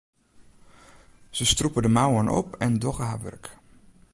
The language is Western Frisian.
Se strûpe de mouwen op en dogge har wurk.